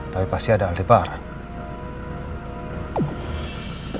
tapi pasti ada aldebaran